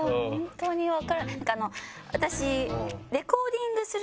私。